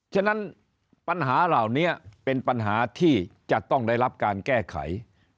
ฉะนั้นปัญหาเหล่านี้เป็นปัญหาที่จะต้องได้รับการแก้ไข